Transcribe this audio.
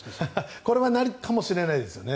これはなるかもしれないですね。